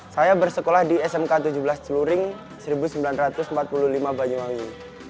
saya bersekolah di smk tujuh belas celuring seribu sembilan ratus empat puluh lima banyuwangi